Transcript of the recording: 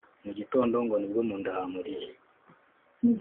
Mu gitondo ngo nibwo mu nda hamuriye